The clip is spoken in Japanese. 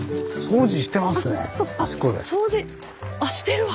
掃除してる。